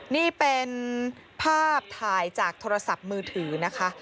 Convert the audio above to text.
นี่เป็นภาพถ่ายจากโทรศัพท์มือถือนะคะ